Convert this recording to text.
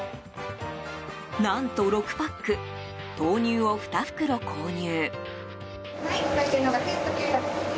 何と６パック、豆乳を２袋購入。